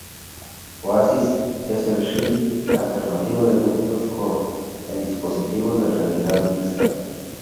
Oasis es el Shell alternativo de Windows Core en dispositivos de realidad mixta.